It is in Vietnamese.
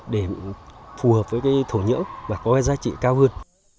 để phù hợp với cái thổ nhỡ và có cái giá trị cao hơn